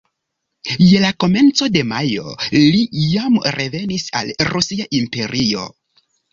Je la komenco de majo, li jam revenis al Rusia imperio.